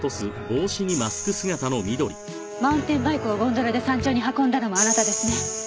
マウンテンバイクをゴンドラで山頂に運んだのもあなたですね？